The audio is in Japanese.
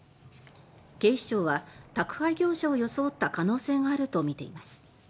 警視庁は、宅配業者を装った可能性があるとみています。